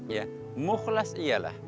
ya mukhlas ialah